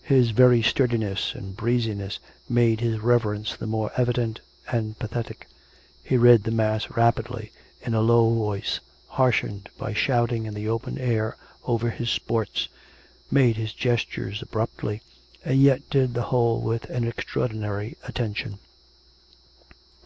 His very sturdiness and breeziness made his reverence tlie more evident and pathetic: he read the mass rapidly, in a low voice, harshened by shouting in the open air over his sports, made his gestures abruptly, and yet did the whole with an extraordinary attention.